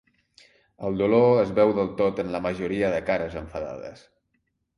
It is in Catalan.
El dolor es veu del tot en la majoria de cares enfadades.